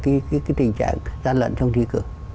cái tình trạng gian lận trong thi cử